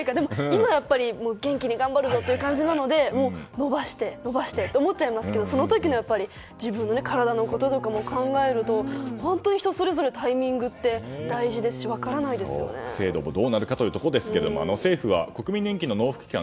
今元気に頑張るぞという感じなので延ばして延ばしてと思っちゃいますけどその時の自分の体のこととかも考えると本当に人それぞれタイミングって大事ですし制度もどうなるかということですけれども政府は、国民年金の納付期間